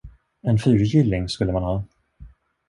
En fyrhjuling skulle man ha!